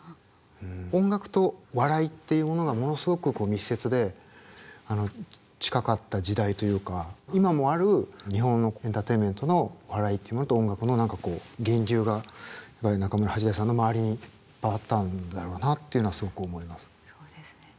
音楽と笑いっていうものがものすごく密接で近かった時代というか今もある日本のエンターテインメントの笑いっていうものと音楽の源流がやっぱり中村八大さんの周りにいっぱいあったんだろうなっていうのはすごく思います。